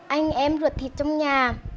anh em rượt thịt trong nhà